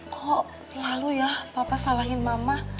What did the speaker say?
kok selalu ya papa salahin mama